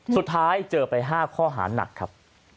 สุดท้ายเจอไป๕ข้อหารหนักครับ